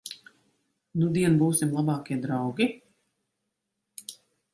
Nudien būsim labākie draugi?